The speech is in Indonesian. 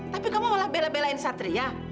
tapi kamu malah bela belain satria